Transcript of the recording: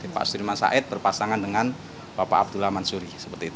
pak sudirman said berpasangan dengan bapak abdullah mansuri